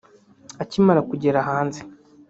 Akimara kugera hanze